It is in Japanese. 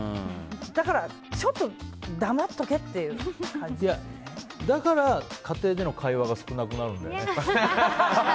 だから、ちょっとだから、家庭での会話が少なくなるんだよね。